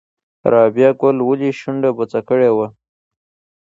رابعه ګل ولې شونډه بوڅه کړې وه؟